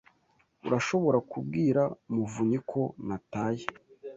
Urashobora kubwira muvunyi ko nataye?